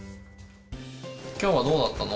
きょうはどうだったの？